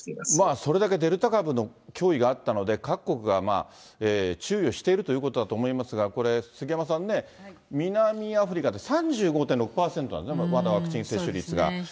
それだけデルタ株の脅威があったので、各国が注意をしているということだと思いますが、これ、杉山さんね、南アフリカって３５．６％なのね、まだワクチン接種率が。